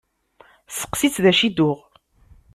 Steqsi-tt d acu i d-tuɣ.